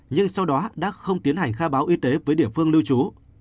nhưng sau đó đã không tiến hành khai báo y tế với địa phương lưu trú